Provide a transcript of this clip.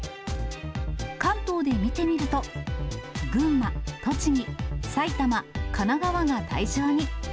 関東で見てみると、群馬、栃木、埼玉、神奈川が対象に。